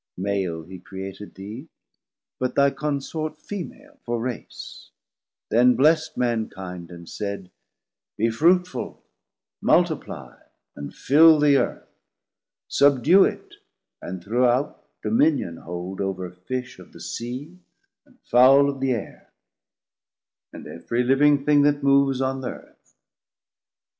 Male he created thee, but thy consort Femal for Race; then bless'd Mankinde, and said, 530 Be fruitful, multiplie, and fill the Earth, Subdue it, and throughout Dominion hold Over Fish of the Sea, and Fowle of the Aire, And every living thing that moves on the Earth.